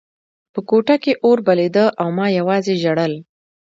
په کوټه کې اور بلېده او ما یوازې ژړل